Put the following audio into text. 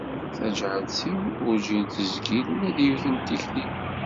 Taǧert-iw urǧin tezgil ula d yiwet n tikli.